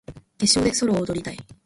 決勝でソロを踊りたい